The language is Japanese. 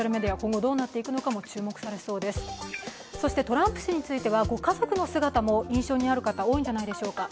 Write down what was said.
トランプ氏についてもご家族の姿も印象にある方多いんじゃないでしょうか。